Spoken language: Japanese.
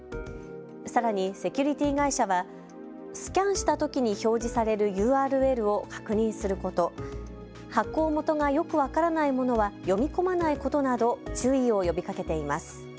さらにセキュリティー会社はスキャンしたときに表示されるＵＲＬを確認すること、発行元がよく分からないものは読み込まないことなど注意を呼びかけています。